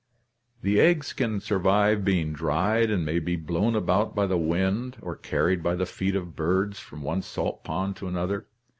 The eggs can survive being dried and may be blown about by the wind or carried by the feet of birds from one salt pond to another.